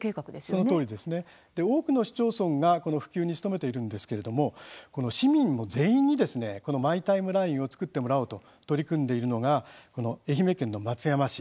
多くの市町村がこの普及に努めているんですけれども市民全員にこのマイ・タイムラインを作ってもらおうと取り組んでいるのが愛媛県の松山市。